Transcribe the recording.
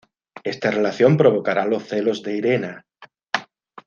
Ésta relación provocará los celos de Irena.